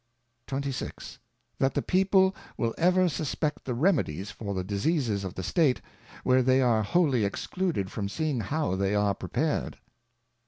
26. That the People will ever suspect the Remedies for the Diseases of the State, where they are whoUy excluded from seeing how they are prepared.